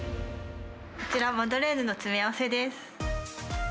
こちら、マドレーヌの詰め合わせです。